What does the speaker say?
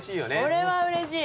これはうれしい。